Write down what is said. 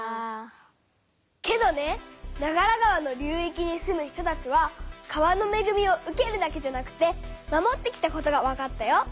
けどね長良川の流いきに住む人たちは川のめぐみを受けるだけじゃなくて守ってきたことがわかったよ。